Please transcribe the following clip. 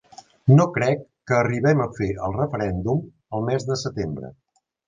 No crec que arribem a fer el referèndum el mes de setembre.